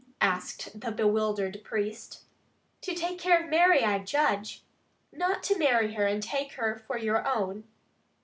asked the bewildered priest. "To take care of Mary, I judge." "Not to marry her; and take her for your own?"